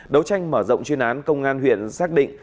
đấu tranh mở rộng chuyên án công an huyện xác định